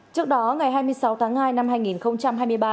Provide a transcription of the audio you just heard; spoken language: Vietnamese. trước đó ngày hai mươi sáu tháng hai năm hai nghìn hai mươi ba